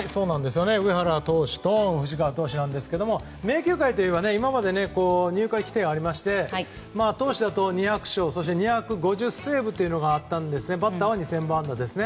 上原投手と藤川投手なんですが名球会といえば今まで入会規程がありまして投手だと２００勝２５０セーブというのがあったんですがバッターは２０００本安打ですね。